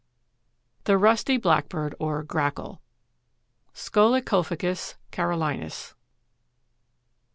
THE RUSTY BLACKBIRD OR GRACKLE. (_Scolecophagus carolinus.